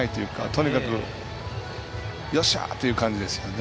とにかく、よっしゃ！という感じですよね。